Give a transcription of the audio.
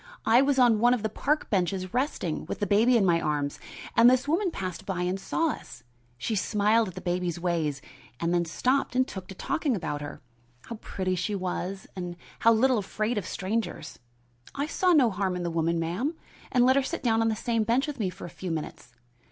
I was on one of the park benches resting, with the baby in my arms, and this woman passed by and saw us. She smiled at the baby's ways, and then stopped and took to talking about her, how pretty she was and how little afraid of strangers. I saw no harm in the woman, ma'am, and let her sit down on the same bench with me for a few minutes.